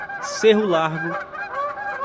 Cerro Largo